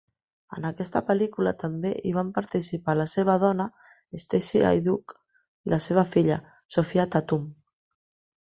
En aquesta pel·lícula també hi van participar la seva dona, Stacy Haiduk, i la seva filla, Sophia Tatum.